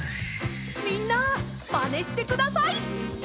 みんなまねしてください！